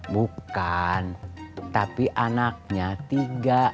bukan tapi anaknya tiga